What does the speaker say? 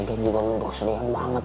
dia juga nungguin dokser yang bang bagas